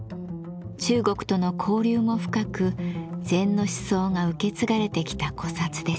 中国との交流も深く禅の思想が受け継がれてきた古刹です。